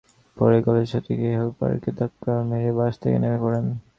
পরে কলেজছাত্রীটি হেলপারকে ধাক্কা মেরে বাস থেকে নেমে পড়েন।